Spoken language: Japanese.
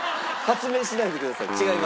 発明しないでください。